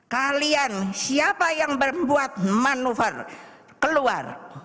kalian siapa yang membuat manuver keluar